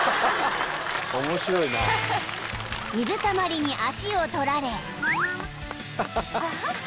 ［水たまりに足を取られ］